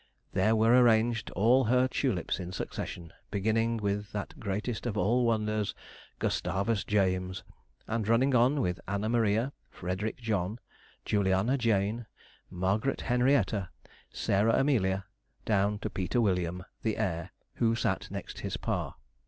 There were arranged all her tulips in succession, beginning with that greatest of all wonders, Gustavus James, and running on with Anna Maria, Frederick John, Juliana Jane, Margaret Henrietta, Sarah Amelia, down to Peter William, the heir, who sat next his pa.